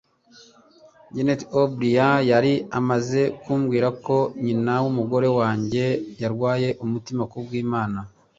Janet O'Brien yari amaze kumbwira ko nyina w'umugore wanjye yarwaye umutima, ku bw'Imana!